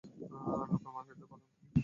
Local মাফিয়াদের প্রধান তিনি।